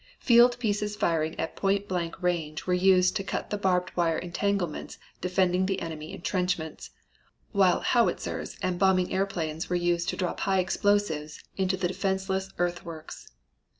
Field pieces firing at point blank range were used to cut the barbed wire entanglements defending the enemy intrenchments, while howitzers and bombing airplanes were used to drop high explosives into the defenseless earthworks.